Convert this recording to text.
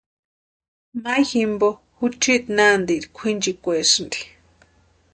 Mayu jimpo juchi nantieri kwʼinchikwaesïnti.